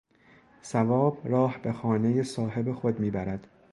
ثواب راه به خانهٔ صاحب خود میبرد.